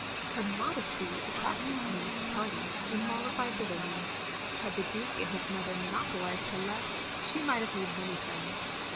10 _ 290 THE LONELY LADY Her modesty attracted the men of the party, and mollified the women; had the Duke and his mother monopolised her less, she might have made many friends.